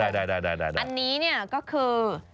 อ่ะได้ใช่อันนี้เนี่ยก็คือ